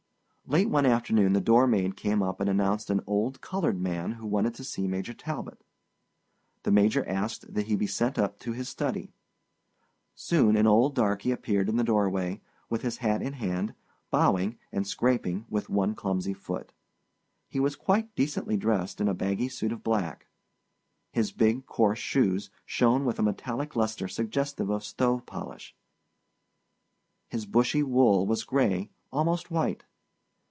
Late one afternoon the door maid came up and announced an old colored man who wanted to see Major Talbot. The Major asked that he be sent up to his study. Soon an old darkey appeared in the doorway, with his hat in hand, bowing, and scraping with one clumsy foot. He was quite decently dressed in a baggy suit of black. His big, coarse shoes shone with a metallic luster suggestive of stove polish. His bushy wool was gray—almost white.